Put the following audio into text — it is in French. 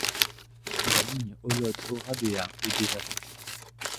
La ligne Holod-Oradea est désaffectée.